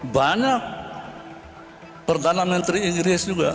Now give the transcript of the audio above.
banyak perdana menteri inggris juga